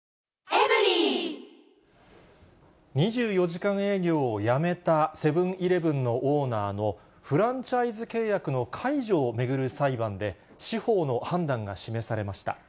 ２４時間営業をやめたセブンーイレブンのオーナーのフランチャイズ契約の解除を巡る裁判で、司法の判断が示されました。